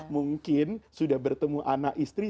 mungkin sudah bertemu anak istri